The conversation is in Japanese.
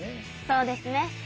そうですね。